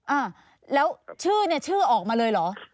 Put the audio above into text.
อ่าแล้วชื่อเนี่ยชื่อออกมาเลยเหรอ